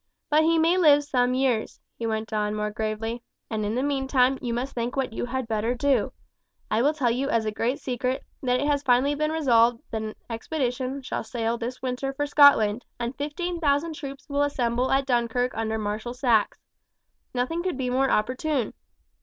"But he may live some years," he went on more gravely, "and in the meantime you must think what you had better do. I will tell you as a great secret, that it has been finally resolved that an expedition shall sail this winter for Scotland, and fifteen thousand troops will assemble at Dunkirk under Marshal Saxe. Nothing could be more opportune.